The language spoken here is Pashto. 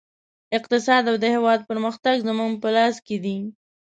اقتصاد او د هېواد پرمختګ زموږ په لاس کې دی